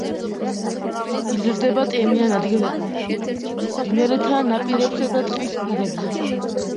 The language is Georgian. იზრდება ტენიან ადგილებზე, მდინარეთა ნაპირებსა და ტყის პირებზე.